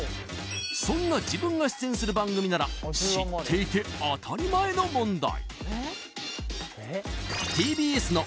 そんな自分が出演する番組なら知っていて当たり前の問題